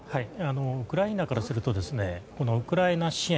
ウクライナからするとウクライナ支援